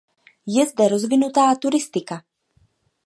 Je zde rozvinutá turistika.